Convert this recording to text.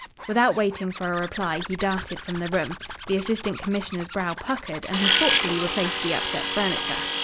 Without waiting for a reply, he darted from the room. The Assistant Commissioner's brow puckered and he thoughtfully replaced the upset furniture.